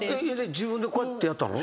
自分でこうやってやったの？